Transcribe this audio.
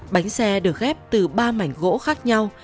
bánh xe được ghép từ ba mảnh gỗ khác nhau